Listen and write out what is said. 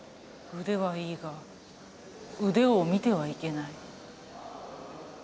腕はいいが腕を見てはいけない。